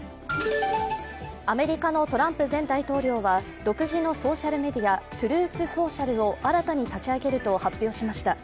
アメリカのトランプ前大統領は独自のソーシャルメディア、ＴＲＵＴＨＳｏｃｉａｌを新たに立ち上げると発表しました。